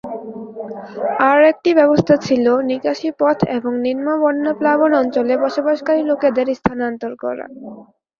আর একটি ব্যবস্থা ছিল নিকাশী পথ এবং নিম্ন-বন্যা প্লাবন অঞ্চলে বসবাসকারী লোকদের স্থানান্তর করা।